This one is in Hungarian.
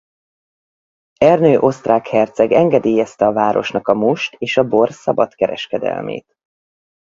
Ernő osztrák herceg engedélyezte a városnak a must és a bor szabad kereskedelmét.